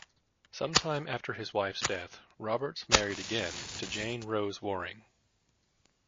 Some time after his wife's death, Roberts married again, to Jane Rose Waring.